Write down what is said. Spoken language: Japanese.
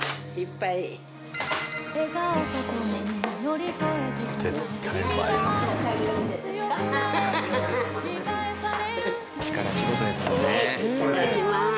はいいただきます！